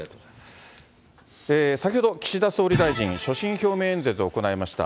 先ほど、岸田総理大臣、所信表明演説を行いました。